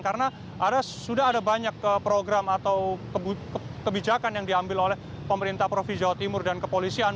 karena sudah ada banyak program atau kebijakan yang diambil oleh pemerintah provinsi jawa timur dan kepolisian